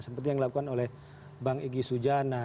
seperti yang dilakukan oleh bank igi sujana